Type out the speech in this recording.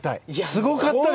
すごかったです。